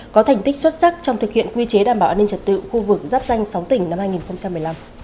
có thành tích xuất sắc trong thực hiện quy chế đảm bảo an ninh trật tự khu vực giáp danh sáu tỉnh năm hai nghìn một mươi năm